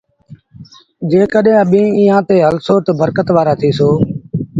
جيڪڏهينٚ اڀيٚنٚ ايٚئآنٚ تي هلسو تا برڪت وآرآ ٿيٚسو۔